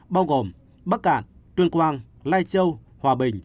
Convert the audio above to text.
bao gồm bắc cạn tuyên quang lai châu hòa bình